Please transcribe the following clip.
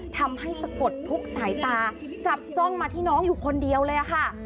สะกดทุกสายตาจับจ้องมาที่น้องอยู่คนเดียวเลยค่ะ